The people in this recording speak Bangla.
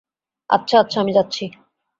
আচ্ছা, আচ্ছা, আমি যাচ্ছি।